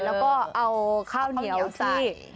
แล้วก็เอาข้าวเหนียวที่